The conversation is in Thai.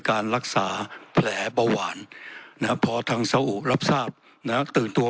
การรักษาแผลบาวหวานนะฮะพอทางรับทราบนะฮะตื่นตัว